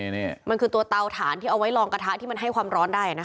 นี่มันคือตัวเตาถ่านที่เอาไว้ลองกระทะที่มันให้ความร้อนได้นะคะ